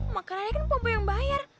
makanannya kan pom pom yang bayar